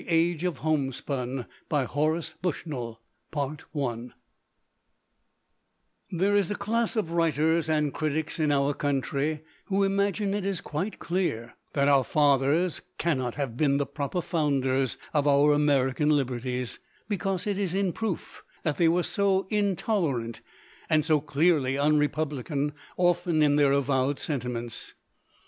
THE FOUNDERS From 'Work and Play' There is a class of writers and critics in our country, who imagine it is quite clear that our fathers cannot have been the proper founders of our American liberties, because it is in proof that they were so intolerant and so clearly unrepublican often in their avowed sentiments.